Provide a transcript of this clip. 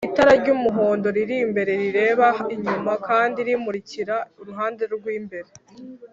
Itara ry‘umuhondo riri imbere rireba inyuma kandi rimurikira uruhande rw’imbere